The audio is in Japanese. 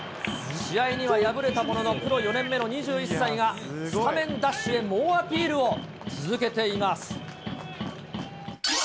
試合には敗れたものの、プロ４年目の２１歳がスタメンダッシュへ、猛アピールを続けています。